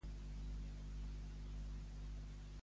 Al Macondo gironí fan cuina caribenya i el resultat és fantàstic.